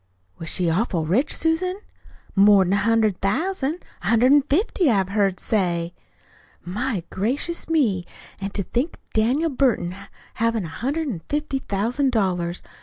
"Was she awful rich, Susan?" "More'n a hundred thousand. A hundred an' fifty, I've heard say." "My gracious me! An' to think of Daniel Burton havin' a hundred and fifty thousand dollars!